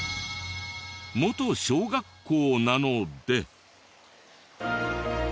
元小学校なので。